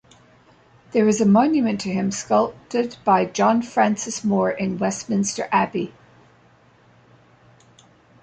There is a monument to him, sculpted by John Francis Moore in Westminster Abbey.